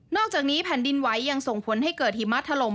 อกจากนี้แผ่นดินไหวยังส่งผลให้เกิดหิมะถล่ม